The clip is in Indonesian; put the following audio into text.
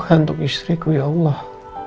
katalah penyakit istriku ini ya allah